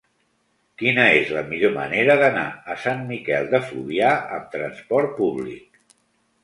Quina és la millor manera d'anar a Sant Miquel de Fluvià amb trasport públic?